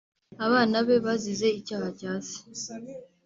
abana be bazize icyaha cya se